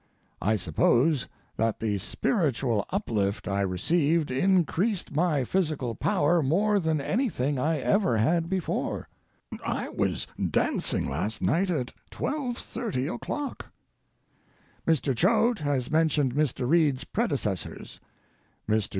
I suppose that the spiritual uplift I received increased my physical power more than anything I ever had before. I was dancing last night at 2.30 o'clock. Mr. Choate has mentioned Mr. Reid's predecessors. Mr.